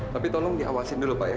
tapi tolong diawasin dulu pak ya